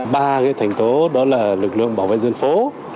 ba thành tố đó là lực lượng bảo vệ dân phố